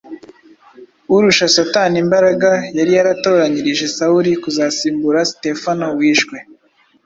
Urusha Satani imbaraga yari yaratoranyirije Sawuli kuzasimbura Sitefano wishwe.